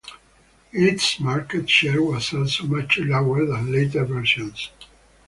Its market share was also much lower than later versions.